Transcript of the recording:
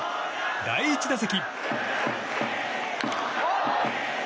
第１打席。